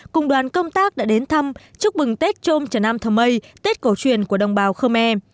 cùng đoàn công tác đã đến thăm chúc mừng tết trôm trần nam thầm mây tết cầu truyền của đồng bào khmer